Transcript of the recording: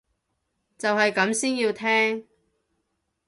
就係咁先要聽